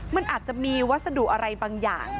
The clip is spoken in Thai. มันอาจจะมีวัสดุอะไรบางอย่าง